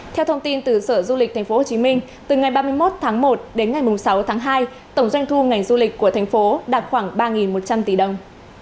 theo thông tin từ sở du lịch tp hcm từ ngày ba mươi một tháng một đến ngày sáu tháng hai tổng doanh thu ngành du lịch của thành phố đạt khoảng ba một trăm linh tỷ đồng